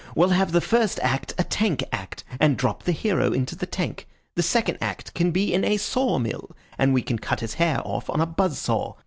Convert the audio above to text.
We'll have the first act a tank act, and drop the hero into the tank. The second act can be in a saw mill, and we can cut his hair off on a buzz saw.